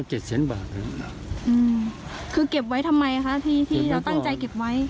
เจ็ดแสนบาทครับอืมคือเก็บไว้ทำไมคะที่ที่เราตั้งใจเก็บไว้